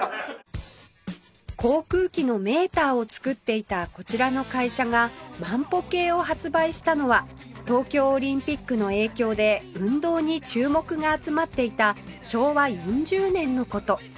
航空機のメーターを作っていたこちらの会社が万歩計を発売したのは東京オリンピックの影響で運動に注目が集まっていた昭和４０年の事